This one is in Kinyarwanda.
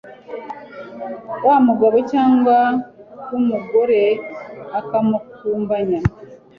w umugabo cyangwa w umugore akamukumbanya